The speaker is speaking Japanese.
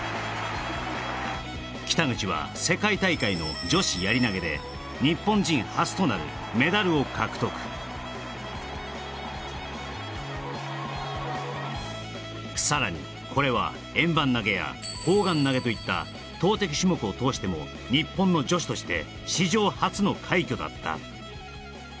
北口は世界大会の女子やり投で日本人初となるメダルを獲得さらにこれは円盤投や砲丸投といった投てき種目を通しても日本の女子として史上初の快挙だった・